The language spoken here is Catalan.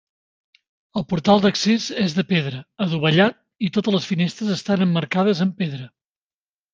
El portal d'accés és de pedra, adovellat, i totes les finestres estan emmarcades amb pedra.